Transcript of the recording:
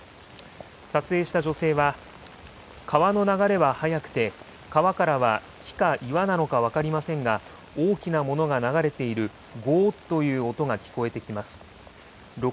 撮影した女性は、川の流れは速くて川からは木か岩なのかは分かりませんが、大きなものが流れているごーっという音が聞こえてきます。